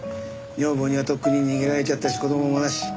女房にはとっくに逃げられちゃったし子供もなし。